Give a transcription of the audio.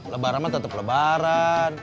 lebaran mah tetep lebaran